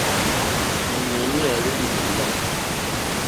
Èɱwèní à hwélì lìlâ.